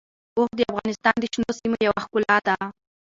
اوښ د افغانستان د شنو سیمو یوه ښکلا ده.